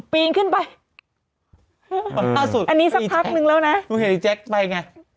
ปีนขึ้นไปอันนี้สักพักนึงแล้วนะหนูเห็นไอ้แจ๊คไปไง